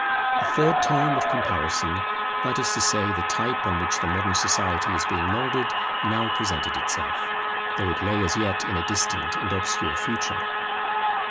A third term of comparison, that is to say the type on which modern society is being moulded, now presented itself; though it lay as yet in a distant and obscure future.